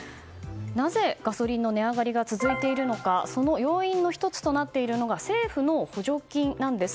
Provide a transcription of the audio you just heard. なぜガソリンの値上がりが続いているのかその要因の１つとなっているのが政府の補助金です。